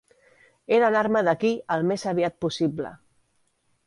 He d'anar-me d'aquí el més aviat possible.